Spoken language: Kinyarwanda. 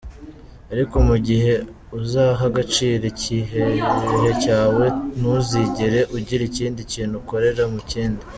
Ariko mu gihe uzaha agaciro igihe cyawe, ntuzigera ugira ikindi kintu ukorera mu kindi.